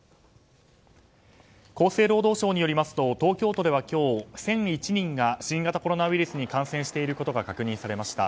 厚生労働省によりますと東京都では今日１００１人が新型コロナウイルスに感染していることが確認されました。